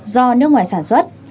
do nước ngoài sản xuất